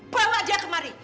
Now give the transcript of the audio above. perlah dia kemari